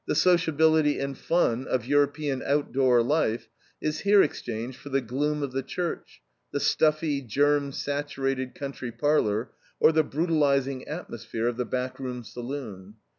The sociability and fun of European outdoor life is here exchanged for the gloom of the church, the stuffy, germ saturated country parlor, or the brutalizing atmosphere of the back room saloon.